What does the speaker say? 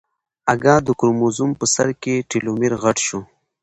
اگه د کروموزوم په سر کې ټيلومېر غټ شو.